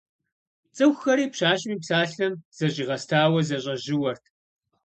ЦӀыхухэри пщащэм и псалъэм зэщӀигъэстауэ, зэщӀэжьууэрт.